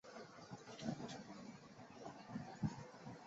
对跑道入侵的定义比美国联邦航空管理局原先的定义更为宽泛。